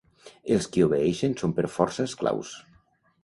Els qui obeeixen són per força esclaus.